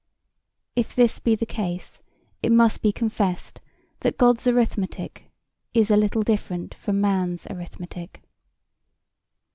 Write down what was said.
If this be the case it must be confessed that God's arithmetic is a little different from man's arithmetic.